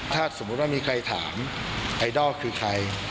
ถ้าสมมุติว่ามีใครถามไอดอลคือใคร